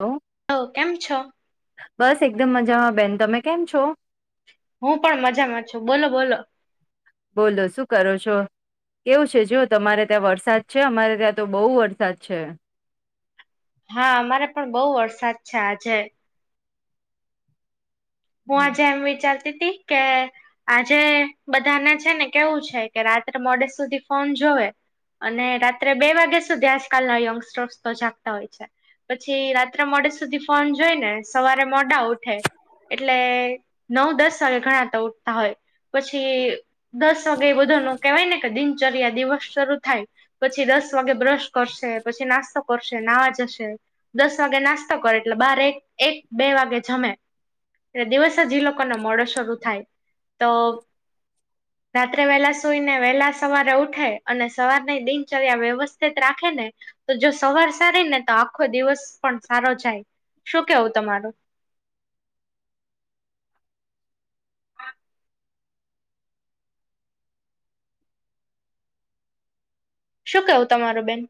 Hello. Hello કેમ છો? બસ એકદમ મજામાં બેન તમે કેમ છો? હું પણ મજામાં છું બોલો-બોલો. બોલો શું કરો છો? કેવું છે જો તમારે ત્યાં વરસાદ છે અમારે ત્યાં તો બહુ વરસાદ છે. હા અમારે પણ બઉ વરસાદ છે આજે. હું હમ. આ એમ વિચારતી તી કે આજે બધાને છે ને કેવું છે કે રાત્રે મોડે સુધી ફોન જોવે. અને રાત્રે બે વાગ્યા સુધી આજકાલના યંગસ્ટર્સ તો જાગતા હોય છે. પછી રાત્રે મોડે સુધી ફોન જોઈ ને સવારે મોડા ઉઠે. એટલે નવ દસ વાગે ઘણા હતા ઉઠતા હોય પછી દસ વાગે બધાનુ કેહેવાય ને કે દિનચર્યા દિવસ શરૂ થાય. પછી દસ વાગે બ્રશ કરશે, પછી નાસ્તો કરશે, નાહવા જશે. દસ વાગે નાસ્તો કરે એટલે બાર એક એક બે વાગે જમે. એટલે દિવસ હજી લોકોને મોળો શરૂ થાય તો રાત્રે વેલા સુઈને વેલા સવારે ઉઠે અને સવારની દિનચર્યા વ્યવસ્થિત રાખે ને. તો જો સવાર સારી ને તો આખો દિવસ પણ સારો જાય શું કેવું તમારૂ. શું કેવું તમારું બેન.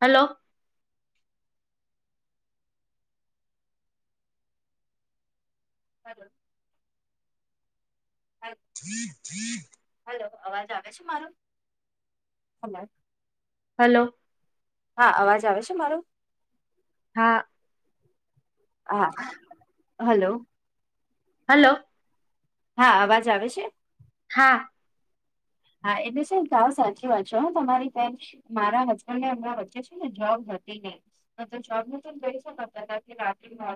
હલો. હલો. [inaudible] હલો અવાજ આવે છે મારો. હલો. હા અવાજ આવે છે મારો. હા. હા હલો. હલો. હા અવાજ આવે છે. હા. હા એટલે છે સાવ સાચી વાત છે હ તમારી બેન. મારા હસબન્ડ ને હમણા વચ્ચે છે ને જોબ હતી નઈ. હ તો જોબ નુતો કહી શકહતા કે રાત્ર મો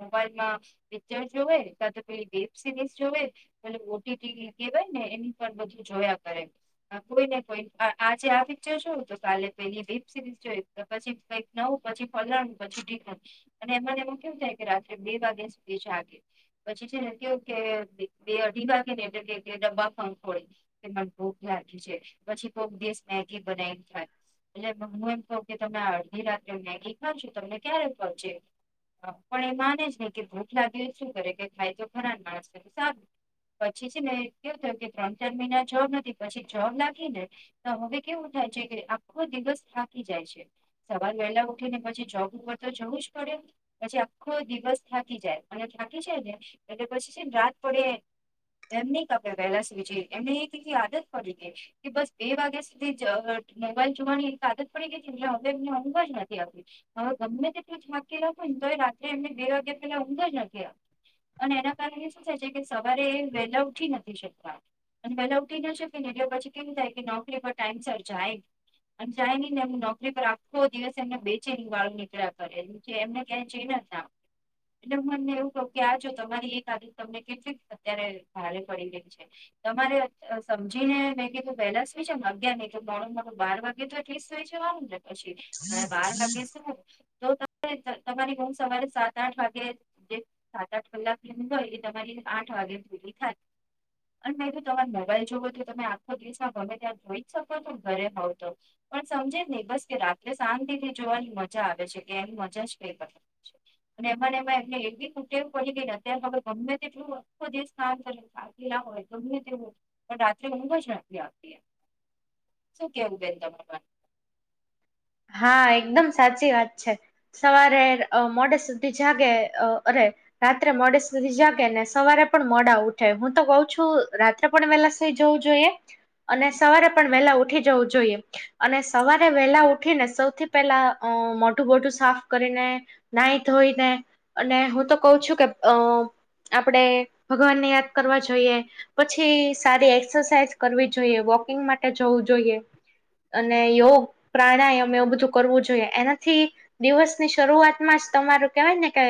મોબાઈલમાં પિક્ચર જોવે કા તો પેલી વેબ સિરીઝ જોવે ઓલી ઓટીટી કવાય ને એની પર બધું જોયા કરે કોઈ ને કોઈ આજે આ પિક્ચર જોયું તો કાલે પેલી વેબ સિરીઝ જોય પછી કઈ નવું પછી ફલાડુ પછી ઠીકણું અને એમા ને એમા કેવું થાય કે રાત્રે બે વાગ્યા સુધી જાગે પછી છે ને કેવું કે બે અઢી વાગે ને એટલે કે ડબ્બા ખંખોળે કે ભૂખ લાગી છે પછી કોક દિવસ મેગી બનાવીને ખાય. એટલે હું એમ કહુ કે તમે આ અડધી રાત્રે મેગી ખાવ છો તમને ક્યારે ઊંઘ આવશે? હ પણ એ માને જ નહી કે ભૂખ લાગી હોય તો શું કરે કે ખાય તો ખરા ને માણસ પછી છે ને કેવું થાય કે ત્રણ ચાર મહિના જોબ નથી, પછી જોબ લાગી ને તો હવે કેવું થાય છે કે આખો દિવસ થાકી જાય છે! સવારે વહેલા ઉઠી ને પછી જોબ ઉપર તો જવું જ પડે ને. પછી આખો દિવસ થાકી જાય અને થાકી જાય ને એટલે પછી છે ને રાત પડે એમ નહી કે આપણે વહેલા સુઈ જઈએ, એમને એક એવી આદત પડી ગઈ કે બસ બે વાગ્યા સુધી મોબાઈલ જોવાની એક આદત પડી ગઈ હતી એટલે હવે એમને ઊંઘ જ નથી આવતી. હવે ગમે તેટલું થાકેલા હોય ને તો એ રાત્રે એમને બે વાગ્યા પેલા ઊંઘ જ નથી આવતી! અને એના કારણે શું થાય છે કે સવારે એ વહેલા ઉઠી નથી શકતા, અને વહેલા ઉઠી ન શકે ને પછી કેવું થાય કે નોકરીમાં ટાઈમસર જાય અને જાય નહી ને એમ નોકરી પર આખો દિવસ એમને બેચેની વાળો નીકળ્યા કરે પછી એમને ક્યાંય ચેન જ ના પડે. એટલે હું એમને એવું કહું કે આ જો તમારી એક આદત તમને કેટલી અત્યારે ભારે પડી રહી છે! તમારે સમજીને મેં કીધું વહેલા સુઈ જાવ ને, અગિયાર નહી તો મોડામાં મોડું બાર વાગે તો એટલીસ્ટ સુઇ જવાનું ને! પછી અ બાર વાગે સુવો તો તમારી ઊંઘ સવારે સાત આઠ વાગે અ સાત આઠ કલાકની ઉંઘ હોય એ તમારી આઠ વાગે પૂરી થાય. અને મે કીધું તમારે મોબાઈલ જોવો હોય તો તમે આખો દિવસમાં ગમે ત્યારે જોઈ જ શકો છો ઘરે હોવ તો પણ સમજે જ નહી, બસ કે રાત્રે શાંતિ થી જોવાની મજા આવે છે કે એમ મજા જ કઈ અલગ હોય છે. અને એમાંને એમાં એમને એટલી કૂટેવ પડી ગઈ ને, અત્યારે ગમે તેટલું કો, આખો દિવસ [unintelligible] લા હોય ગમે તે પણ રાત્રે ઊંઘ જ નથી આવતી, શું કેવું બેન તમને મારે. હા એકદમ સાચી વાત છે. સવારે મોડે સુધી જાગે અરે રાત્રે મોડે સુધી જાગે ને સવારે પણ મોડા ઉઠે. હું તો કઉ છું રાત્રે થોડા વેલા સુઈ જવું જોઈએ અને સવારે પણ વેલા ઉઠી જવું જોઈએ. અને સવારે વેહલા ઉઠી ઉઠીને સૌથી પેલા અ મોઢું બોઢું સાફ કરીને નાહી ધોઈને અને હું તો કઉ છું કે અ આપણેે ભગવાનને યાદ કરવા જોઈએ પછી સારી એક્સરસાઇઝ કરવી જોઈએ, વોકિંગ માટે જવું જોઈએ અને યોગ પ્રાણાયામ એવું બધું કરવું જોઈએ, એનાથી દિવસની શરૂઆતમાં જ તમારું કેહેવાય ને કે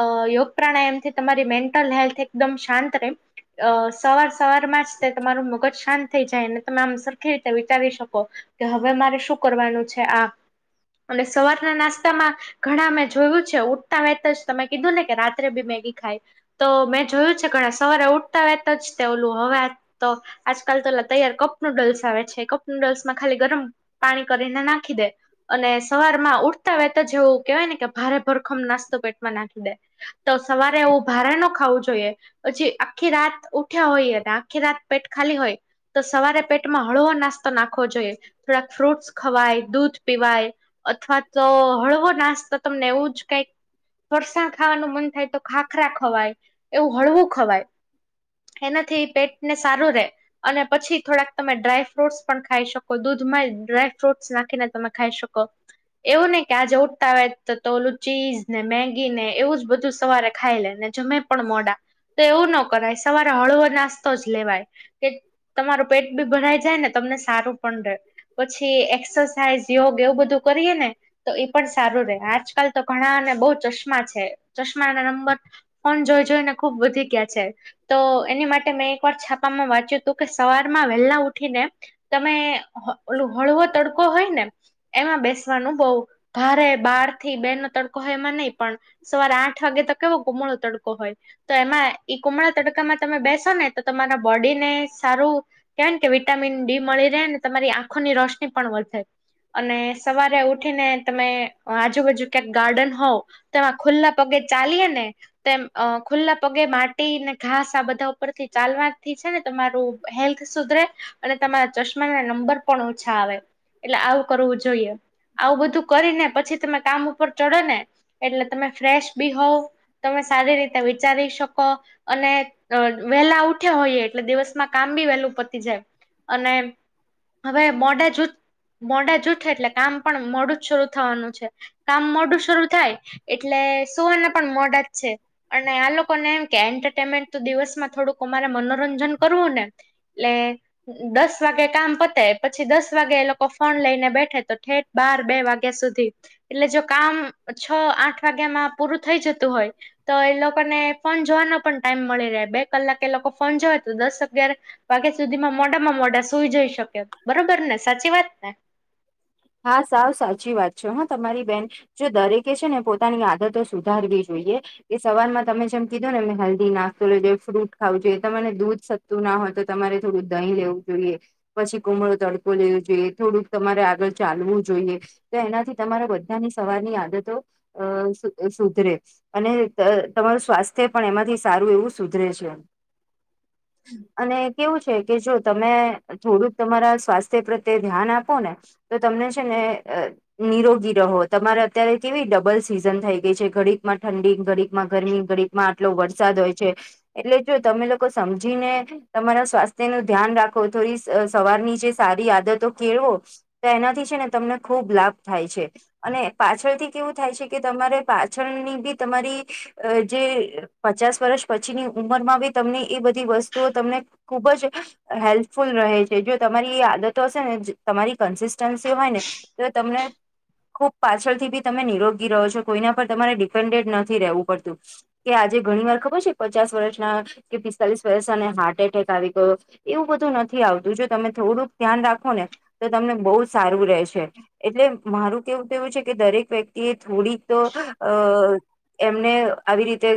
અ યોગ પ્રાણાયામ થી તમારી મેન્ટલ હેલ્થ એકદમ શાંત રહે અ સવાર સવાર માં જ તે તમારું મગજ શાંત થઈ જાય અને તમે આમ સરખી રીતે વિચારી શકો કે હવે મારે શું કરવાનું છે આ? અને સવારના નાસ્તામાં ઘણા મેં જોયું છે ઉઠતા બેઠતાજ તમે કીધું ને કે રાત્રે બી મેગી ખાય તો મેં જોયું છે ઘણા સવારે ઉઠતા વહેત જ તે ઓલું હવે તો આજકાલ તો ઓલા તૈયાર કપ નુડલ્સ આવે છે કપ નુડલ્સ માં ખાલી ગરમ પાણી કરીને નાખી દે. અને સવારમાં ઉઠતા વહેત જ એવું કેહેવાય ને કે ભારે ભરખમ નાસ્તો પેટમાં નાખી દે. તો સવારે એવું ભારે ન ખાવું જોઈએ. પછી આખી રાત ઉઠ્યા હોય અને આખી રાત પેટ ખાલી હોય, તો સવારે પેટમાં હળવો નાસ્તો નાખવો જોઈએ. ફ્રૂટસ ખવાય, દૂધ પીવાય, અથવા તો હળવો નાસ્તો તમને એવું જ કઈક ફરસાણ ખાવાનું મન થાય તો ખાખરા ખવાય એવું હળવું ખવાય, એનાથી પેટને સારું રે, અને પછી થોડાક તમે ડ્રાય ફ્રૂટસ પણ ખાઈ શકો દૂધમાં જ, ડ્રાય ફ્રૂટસ નાખીને તમે ખાઈ શકો. એવું નહીં કે આજે ઉઠતા હોય તો તો ઓલું ચીઝ ને મેગી ને એવું જ બધું સવારે ખાઈ લે ને, જમે પણ મોડા, તો એવું નો કરાય સવારે હળવો નાસ્તો જ લેવાય. તમારું પેટ બી ભરાઈ જાય ને તમને સારું પણ, રહે પછી એક્સરસાઇઝ યોગ એવું બધું કરીએ ને, તો એ પણ સારું રે આજકાલ તો ઘણા ને બહુ ચશ્મા છે. ચશ્મા ના નંબર, ફોન જોઈ જોઈને ખુબ વધી ગયા છે, તો એની માટે મેં એક વાર છાપામાં વાંચ્યું હતું કે, સવાર માં વહેલા ઉઠી ને તમે ઓલુ હળવો તડકો હોય ને, એમાં બેસવાનું બહુ ભારે બાર થી બે ન તડકો હોય એમાં નહી પણ, સવારે આઠ વાગે તો કેવો કુમણો તડકો હોય. તો એમાં ઈ કુમળા તડકામાં તમે બેસો ને તો તમારા બોડીને સારું, કેન કે વિટામિન ડી મળી રહે, ને તમારી આંખોની રોશની પણ વધે. અને સવારે ઉઠીને તમે આજુબાજુ ક્યાંક ગાર્ડન હોવ, તેમાં ખુલ્લા પગે ચાલીયે ને, તેમ અ ખુલ્લા પગે માટી ને ઘાસ આ બધા ઉપરથી ચાલવાથી છે ને તમારું, હેલ્થ સુધરે અને તમારા ચશ્મા ના નંબર, પણ ઓછા આવે એટલે આવું કરવું જોઈએ. આવ બધું કરીને પછી તમે કામ ઉપર ચડો ને એટલે તમે ફ્રેશ બી હોવ, તમે સારી રીતે વિચારી શકો, અને વેહલા ઉઠ્યા હોઈએ એટલે દિવસમાં કામ બી વેહલું પતી જાય અને, હવે મોડા જૂથ મોડા જૂથે એટલે કામ પણ મોડું જ શરૂ થવાનું છે. કામ મોડું શરૂ થાય એટલે સુવાના પણ મોડા જ છે. અને આ લોકોને એમ કે એન્ટરટેનમેન્ટ દિવસમાં થોડુંક અમારે મનોરંજન કરવું ને, એટલે દસ વાગે કામ પતે પછી દસ વાગે એ લોકો ફોન લઈને બેઠ તો ઠેઠ બાર બે વાગ્યા સુધી એટલે જો કામ છ આઠ વાગ્યામાં પૂરું થઈ જતું હોય, તો એ લોકોને ફોન જોવાનો પણ ટાઈમ મળી રહે બે કલાક એ લોકો ફોન જોય તો દસ અગયાર વાગ્યા સુધીમાં મોઢામાં મોઢા સુઈ જઈ શકે. બરોબર ને સાચી વાત ને, હા સાવ સાચી વાત છે, હા તમારી બેન. જો દરેકે છે ને પોતાની આદતો સુધારવી જોઈએ, એ સવાર માં તમે જેમ કીધું ને એમને હેલ્ધી નાસ્તો લેવો જોઈએ, ફ્રૂટ ખાવું જોઈએ, તમાને દૂધ સદ્ તું ના હોય તો તમારે થોડું દહીં લેવું જોઈએ. પછી કુમળો તડકો લેવો જોઈએ, થોડુંક તમારે આગળ, ચાલવું જોઈએ, તો એનાથી તમારા બધાની સવારની આદતો, અ સુ સુધરે. અને ત તમારું સ્વાસ્થ્ય પણ એમાંથી સારું એવું સુધરે છે. [inaudible] અને કેવું છે, કે જો તમે થોડુંક તમારા સ્વાસ્થ્ય પ્રત્યે ધ્યાન આપોને, તો તમને છે ને, અ નિરોગી રહો તમારે અત્યારે કેવી ડબલ સીઝન થઈ ગઈ છે ઘડીકમાં ઠંડી, ઘડીકમાં ગરમી, ઘડી માં આટલો વરસાદ હોય છે, એટલે જો તમે લોકો સમજીને, તમારા સ્વાસ્થ્ય નું ધ્યાન રાખો થોડી સવારની જે સારી આદતો કેળવો, તો એનાથી છે ને તમને ખૂબ લાભ થાય છે. અને પાછળ થી કેવું થાય છે કે તમારે પાછળની બી તમારી, અ જે પચાસ વર્ષ પછીની ઉંમર માં બી તમને એ બધી વસ્તુઓ તમને, ખુબ જ હેલ્પફુલ રહે છે જો તમારી એ આદતો હશે ને તમારી કન્સિસ્ટન્સી હોય ને તો તમને ખુબ પાછળથી બી તમે નિરોગી રહો છો કોઈના પર તમારે ડિપેન્ડેડ નથી રહેવું પડતું કે આજે ઘણી વાર ખબર છે પચાસ વર્ષના કે પિસ્તાલીસ વર્ષને હાર્ટ એટેક આવી ગયો એવું બધું નથી આવતું જો તમે થોડુંક ધ્યાન રાખો ને તો તમને બહુ સારું રહેેશે એટલે મારું કેવું તો એવું છે કે દરેક વ્યક્તિ એ થોડીક તો અ એમને આવી રીતે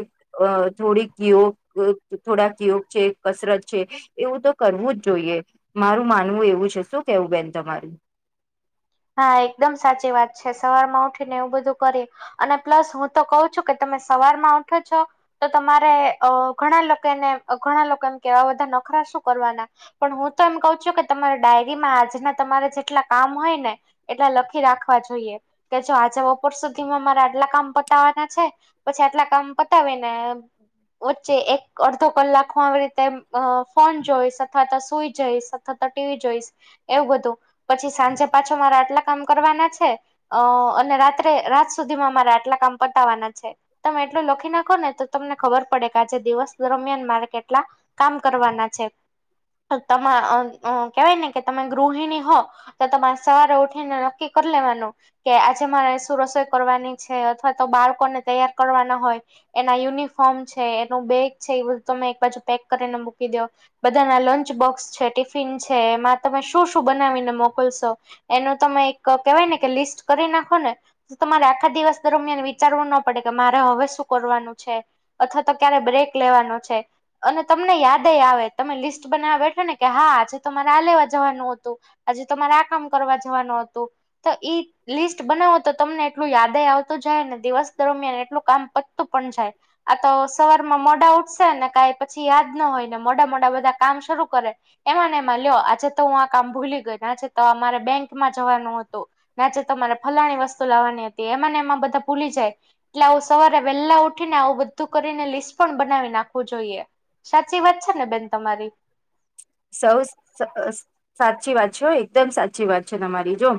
અ થોડીક યોગ થોડા કયોગ છે કસરત છે એવું તો કરવું જ જોઈએ મારું માનવું એવું છે શું કેવું બેન તમારું હા એકદમ સાચી વાત છે સવાર માં ઉઠીને એવું બધું કરી અને પ્લસ હું તો કહું છું કે તમે સવાર માં ઉઠો છો તો તમારે અ ઘણા લોકોને ઘણા લોકો એમ કેવાય આ બધા નખરા શું કરવાના પણ હું તો એમ કઉ છું કે તમારા ડાયરીમાં આજના તમારા જેટલા કામ હોય ને એટલા લખી રાખવા જોઈએ કે જો આજે બપોર સુધીમાં મારા આટલા કામ બતાવાના છે પછી આટલા કામ પતાવી ને વચ્ચે એક અડધો કલાક માં આવી રીતે ફોન અ જોઈશ અથવા તો સુઈ જઈશ થતા ટીવી જોઈશ એવું બધું પછી સાંજે પાછો મારા આટલા કામ કરવાના છે. અ અને રાત્રે રાત સુધીમાં મારે આટલા કામ પતાવાના છે તમે એટલું લખી નાખો ને તો તમને ખબર પડે કે આજે દિવસ દરમિયાન મારે કેટલા કામ કરવાના છે તો તમા અ અ કેવાય ને કે તમે ગૃહિણી હો તો તમારે સવારે ઉઠીને નક્કી કરી લેવાનું કે આજે મારે શું રસોઈ કરવાની છે અથવા તો બાળકોને તૈયાર કરવાના હોય એના યુનિફોર્મ છે એનું બેગ છે એ બધું તમે એક બાજુ પેક કરીને મૂકી દો બધાના લંચ બોક્સ છે ટિફિન છે એમાં તમે શું શું બનાવીને મોકલશો એનું તમે એક કહેવાય ને કે લિસ્ટ કરી નાખો ને તમારે આખા દિવસ દરમિયાન વિ વિચારવું ના પડે કે મારે હવે શું કરવાનું છે અથવા તો ક્યારે બ્રેક લેવાનું છે અને તમને યાદ આવે તમે લિસ્ટ બનાવવા બેઠો ને કે હા આજે તો તમારે આ લેવા જવાનું હતું આજે તમારે આ કામ કરવા જવાનું હતું તો એ લિસ્ટ બનાવો તો તમને એટલું યાદ આવતું જાય દિવસ દરમિયાન એટલું કામ પતું પણ જાય આ તો સવાર માં મોઢા ઉઠશે ને કાઈ પછી યાદ ના હોય ને મોડા મોડા બધા કામ શરૂ કરે એમાં ને એમાં લ્યો આજે તો હું આ કામ ભૂલી ગયો આજે તો અમારે બેંકમાં જવાનું હતું નાચે તમારે ફલાણી વસ્તુ લાવવાની હતી એમાં એમાં બધા ભૂલી જાય એટલે આવું સવારે વહેલા ઉઠી ને આવું બધું કરીને લિસ્ટ પણ બનાવી નાખવું જોઈએ સાચી વાત છે ને બેન તમારી સૌ અ સસાચી વાત છે એકદમ સાચી વાત છે તમારી જો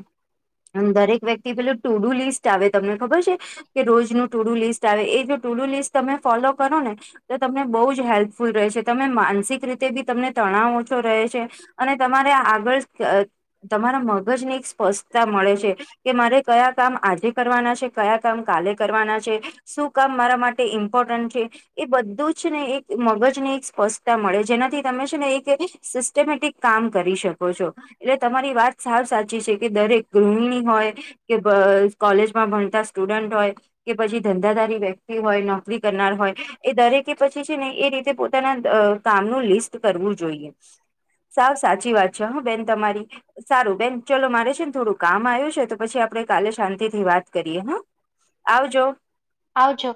દરેક વ્યક્તિ પેલો ટુડુ લિસ્ટ આવે તમને ખબર છે કે રોજ ન ટુડુ લિસ્ટ આવે એ જો ટુડુ લિસ્ટ તમે ફોલો કરો ને તો તમને બહુ જ હેલ્પફુલ રહે છે તમે માનસિક રીતે બી તમને તણાવ ઓછો રહે છે અને તમારે આગળ તમારા મગજને એક સ્પષ્ટતા મળે છે કે મારે કયા કામ આજે કરવાના છે કયા કામ કાલે કરવાના છે શું કામ મારા માટે ઇમ્પોર્ટન્ટ છે એ બધું જ ને એક મગજ ને એક સ્પષ્ટતા મળે જેનાથી તમે ને એક સિસ્ટમેટિક કામ કરી શકો છો એટલે તમારી વાત સાવ સાચી છે કે દરેક ગૃહિણી હોય કે અ કોલેજમાં ભણતા સ્ટુડન્ટ હોય કે પછી ધંધાધારી વ્યક્તિ હોય નોકરી કરનાર હોય એ દરેકે પછી છે ને એ રીતે પોતાના અ કામનું લિસ્ટ કરવું જોઈએ સાવ સાચી વાત છે હા બેન તમારી સારું બેન ચલો મારે છે ને થોડું કામ આવ્યું છે તો પછી આપણે કાલે શાંતિથી વાત કરીએ હા આવજો. આવજો.